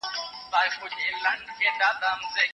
انګریزان د شاه شجاع ملاتړ کوي.